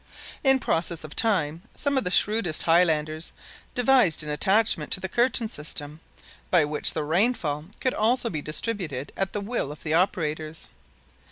In process of time some of the shrewdest highlanders devised an attachment to the curtain system by which the rainfall could also be distributed at the will of the operators.